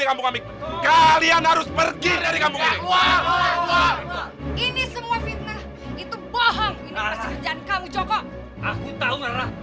iya betul itu